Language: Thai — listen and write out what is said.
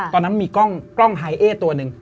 ตอนนั้นมีกล้องไฮเอสตัวหนึ่ง